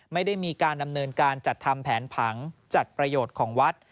ไม่ได้มีการดำเนินการจัดทำแผนผังจัดประโยชน์ของวัด